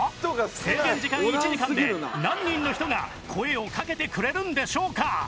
制限時間１時間で何人の人が声をかけてくれるんでしょうか？